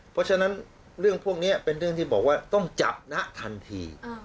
เพราะฉะนั้นเรื่องพวกนี้เป็นเรื่องที่บอกว่าต้องจับนะทันที